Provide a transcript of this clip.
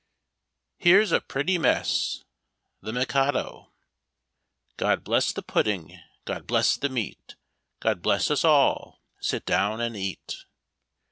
" Here's a pretty mess I " The Mikado. "God bless tlie pudding, God bless the meat, God bless us all; Sit down and eat."